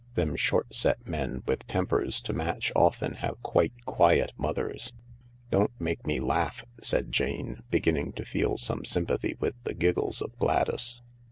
Them short set men with tempers to match often have quite quiet mothers." " Don't make me laugh," said Jane, beginning to feel some sympathy with the giggles of Gladys.